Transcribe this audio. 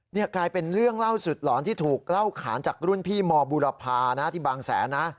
นี่กลายเป็นเรื่องล่าสุดหลอนที่ถูกเล่าขานจากรุ่นพี่มบุรพานะที่บางแสนนะ